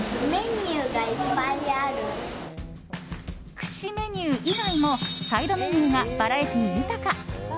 串メニュー以外もサイドメニューがバラエティー豊か。